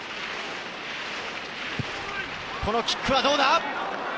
このキックはどうだ？